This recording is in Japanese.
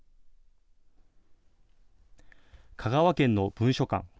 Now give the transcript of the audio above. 香川県の文書館。